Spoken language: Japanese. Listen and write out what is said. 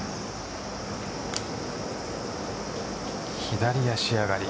左足上がり。